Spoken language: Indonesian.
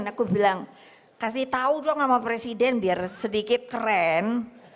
aku bilang kasih tau dong sama presiden biar sedikit keren